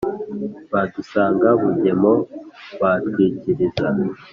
Badusange bungemo batwikiriza